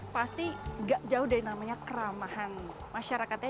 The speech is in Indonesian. pasti gak jauh dari namanya keramahan masyarakatnya